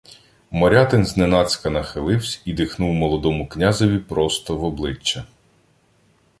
Морятин зненацька нахиливсь і дихнув молодому князеві просто в обличчя: